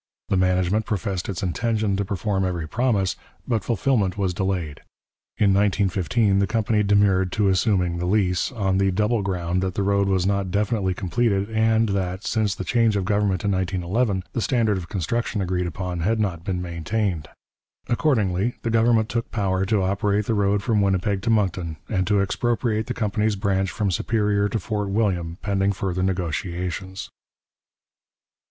The management professed its intention to perform every promise, but fulfilment was delayed. In 1915 the company demurred to assuming the lease, on the double ground that the road was not definitely completed, and that, since the change of government in 1911, the standard of construction agreed upon had not been maintained. Accordingly the government took power to operate the road from Winnipeg to Moncton, and to expropriate the company's branch from Superior to Fort William, pending further negotiations.